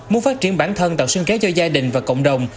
muốn phát triển bản thân tạo sinh kế cho gia đình và cộng đồng